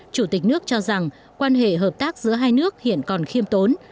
chủ tịch nước cho rằng quan hệ hợp tác giữa hai nước hiện còn khiêm tốn